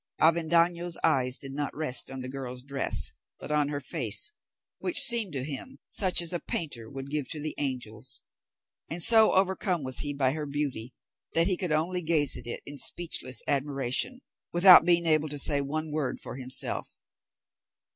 Avendaño's eyes did not rest on the girl's dress, but on her face, which seemed to him such as a painter would give to the angels; and so overcome was he by her beauty, that he could only gaze at it in speechless admiration, without being able to say one word for himself.